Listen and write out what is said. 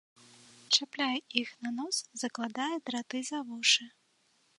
Чапляе іх на нос, закладае драты за вушы.